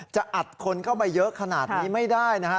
จะอัดคนเข้าไปเยอะขนาดนี้ไม่ได้นะฮะ